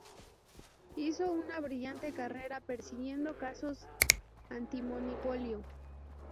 Hizo una brillante carrera persiguiendo casos antimonopolio.